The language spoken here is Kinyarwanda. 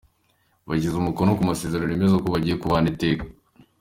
Bashyize umukono ku masezerano yemeza ko bajyiye kubana iteka .